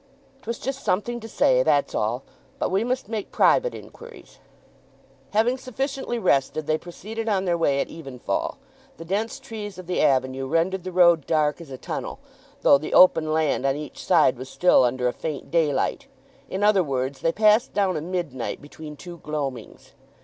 "'Twas just something to say—that's all! But we must make private inquiries." Having sufficiently rested they proceeded on their way at evenfall. The dense trees of the avenue rendered the road dark as a tunnel, though the open land on each side was still under a faint daylight, in other words, they passed down a midnight between two gloamings.